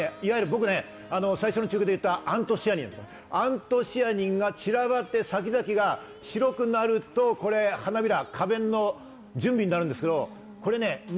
僕、最初の中継で言ったアントシアニン、アントシアニンが散らばって、先々が白くなると花びら、花弁の準備となるんですけど。